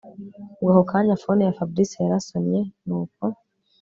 Ubwo ako kanya phone ya Fabric yarasonye nuko